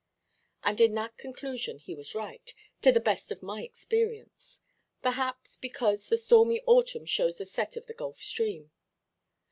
And in that conclusion he was right, to the best of my experience. Perhaps because the stormy autumn shows the set of the Gulf Stream.